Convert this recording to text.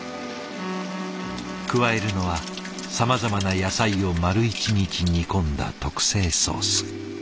加えるのはさまざまな野菜を丸一日煮込んだ特製ソース。